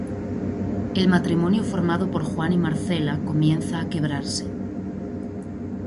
El matrimonio formado por Juan y Marcela comienza a quebrarse.